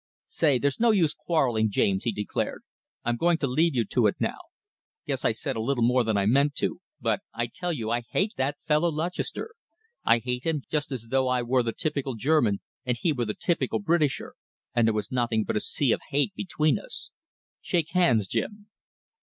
"Say, there's no use quarrelling, James," he declared. "I'm going to leave you to it now. Guess I said a little more than I meant to, but I tell you I hate that fellow Lutchester. I hate him just as though I were the typical German and he were the typical Britisher, and there was nothing but a sea of hate between us. Shake hands, Jim."